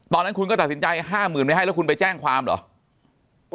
ตอนนั้นคุณก็ตัดสินใจ๕๐๐๐ไม่ให้แล้วคุณไปแจ้งความเหรอ